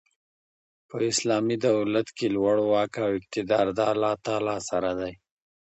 په اسلامي دولت کښي لوړ واک او اقتدار د الله تعالی سره يي.